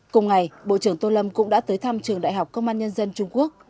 cùng ngày bộ trưởng tô lâm cũng đã tới thăm trường đại học công an nhân dân trung quốc